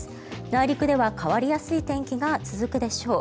内陸では変わりやすい天気が続くでしょう。